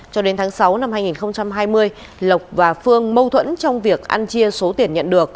cho đến tháng sáu năm hai nghìn hai mươi lộc và phương mâu thuẫn trong việc ăn chia số tiền nhận được